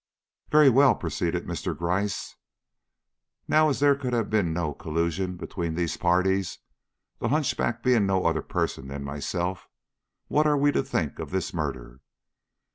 "Very well," proceeded Mr. Gryce. "Now as there could have been no collusion between these parties, the hunchback being no other person than myself, what are we to think of this murder?